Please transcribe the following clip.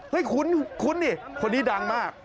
เฮ่ยคุ้นคุ้นนี่คนนี้ดังมาก